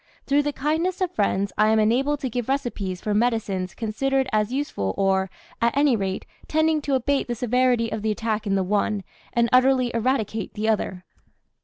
Through the kindness of friends I am enabled to give recipes for medicines considered as useful, or, at any rate, tending to abate the severity of the attack in the one, and utterly eradicate the other.